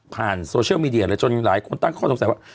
โซเชียลมีเดียเลยจนหลายคนตั้งข้อสงสัยว่า